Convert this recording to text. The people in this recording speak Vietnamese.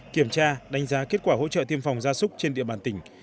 kiểm tra đánh giá kết quả hỗ trợ tiêm phòng ra súc trên địa bàn tỉnh